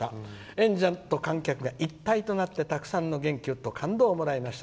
縁者と観客が一体となってたくさんの元気と感動をもらいました。